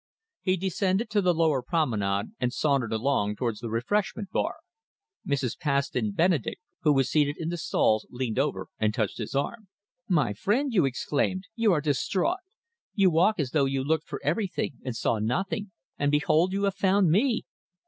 He descended to the lower Promenade and sauntered along towards the refreshment bar. Mrs. Paston Benedek, who was seated in the stalls, leaned over and touched his arm. "My friend," she exclaimed, "you are distrait! You walk as though you looked for everything and saw nothing. And behold, you have found me!"